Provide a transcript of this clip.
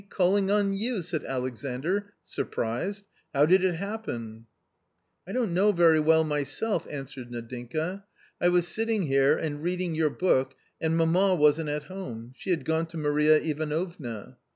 calling on you !" said Alexander, sur prised ;" how did it happen ?" "I don't know very well myself" answered Nadinka. I was sitting here and reading your book and mamma wasn't at home ; she had gone to Maria Ivanovna.